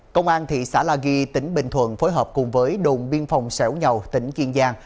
công an thị xã la ghi tỉnh bình thuận phối hợp cùng với đồn biên phòng xẻo nhầu tỉnh kiên giang